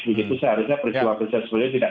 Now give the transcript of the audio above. begitu seharusnya perjuangan seharusnya tidak